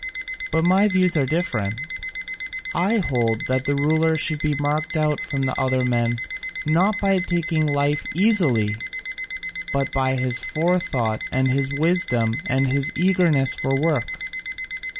But my views are different: I hold that the ruler should be marked out from other men, not by taking life easily, but by his forethought and his wisdom and his eagerness for work."